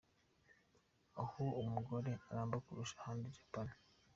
Aho umugore aramba kurusha ahandi : Japan.